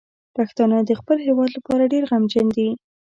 پښتانه د خپل هیواد لپاره ډیر غمجن دي.